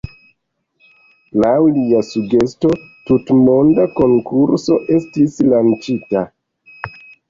Laŭ lia sugesto, tutmonda konkurso estis lanĉita.